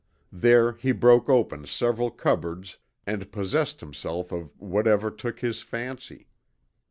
There he broke open several cupboards and possessed himself of whatever took his fancy.